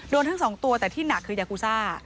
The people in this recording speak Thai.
ทั้งสองตัวแต่ที่หนักคือยากูซ่า